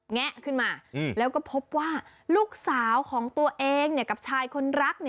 แงะขึ้นมาแล้วก็พบว่าลูกสาวของตัวเองกับชายคนรัก